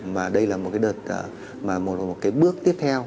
mà đây là một cái đợt mà một cái bước tiếp theo